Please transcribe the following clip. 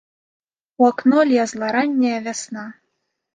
У акно лезла ранняя вясна.